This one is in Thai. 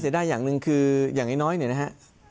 เสียด้ายอย่างนึงคืออย่างน้อยเนี่ยนะฮะ